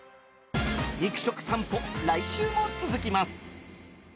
肉食さんぽ来週も続きます！